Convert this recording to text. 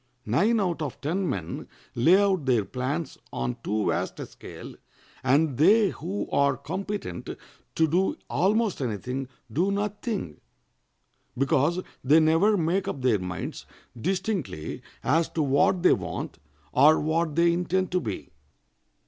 Nine out of ten men lay out their plans on too vast a scale, and they who are competent to do almost any thing do nothing, because they never make up their minds distinctly as to what they want or what they intend to be.